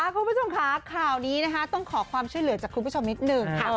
คุณผู้ชมค่ะข่าวนี้นะคะต้องขอความช่วยเหลือจากคุณผู้ชมนิดหนึ่งค่ะ